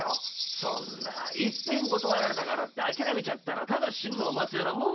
「そんないっぺん断られたからって諦めちゃったらただ死ぬのを待つようなもんですよ。